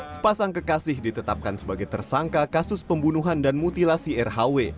sepasang kekasih ditetapkan sebagai tersangka kasus pembunuhan dan mutilasi rhw